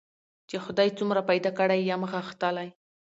چي خدای څومره پیدا کړی یم غښتلی